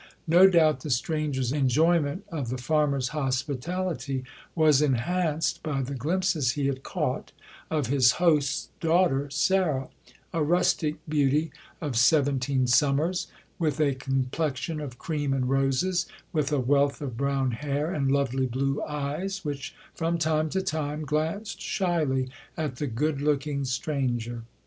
No doubt the stranger's enjoyment of the farmer's hospitality was enhanced by the glimpses he had caught of his host's daughter, Sarah, a rustic beauty of seventeen summers, with a complexion of "cream and roses," with a wealth of brown hair, and lovely blue eyes which from time to time glanced shyly at the good looking stranger.